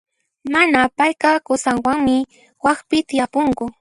Mana, payqa qusanwanmi waqpi tiyapunku.